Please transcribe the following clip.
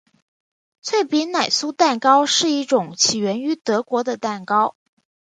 脆皮奶酥蛋糕是一种起源于德国的蛋糕。